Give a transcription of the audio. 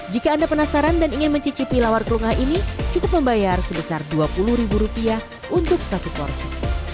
jika anda penasaran dan ingin mencicipi lawar kelungah ini cukup membayar sebesar dua puluh ribu rupiah untuk satu porsi